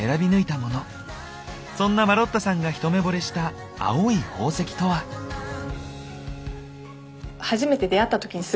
そんなマロッタさんが一目ぼれした青い宝石とは？わキレイ！